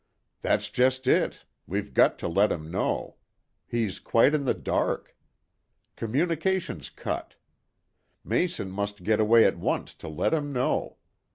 "That's just it. We've got to let him know. He's quite in the dark. Communications cut. Mason must get away at once to let him know.